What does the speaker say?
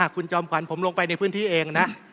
คุณจอมขวัญผมลงไปในพื้นที่เองนะ